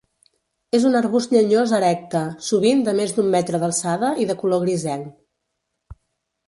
És un arbust llenyós erecte, sovint de més d'un metre d'alçada i de color grisenc.